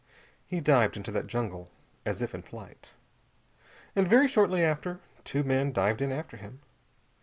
He dived into that jungle as if in flight. And very shortly after, two men dived in after him.